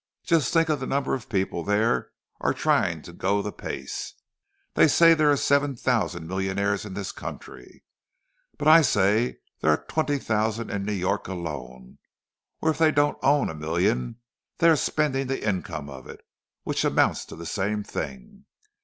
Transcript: Just think of the number of people there are trying to go the pace! They say there are seven thousand millionaires in this country, but I say there are twenty thousand in New York alone—or if they don't own a million, they're spending the income of it, which amounts to the same thing.